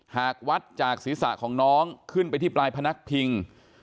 หากวัดจากศีรษะของน้องขึ้นไปที่ปลายพนักพิง